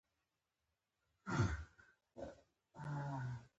افغانستان په د کلیزو منظره غني دی.